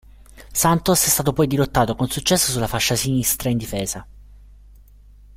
Santos è stato poi dirottato con successo sulla fascia sinistra in difesa.